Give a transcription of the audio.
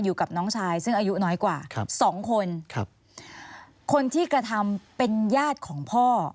อยู่กับน้องชายซึ่งอายุน้อยกว่าครับสองคนครับคนที่กระทำเป็นญาติของพ่อ